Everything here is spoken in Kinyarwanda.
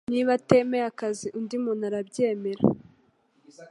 Niba atemeye akazi undi muntu arabyemera